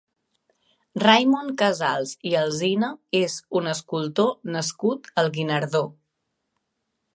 Raimon Casals i Alsina és un escultor nascut al Guinardó.